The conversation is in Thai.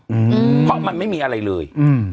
อืมเพราะมันไม่มีอะไรเลยอืม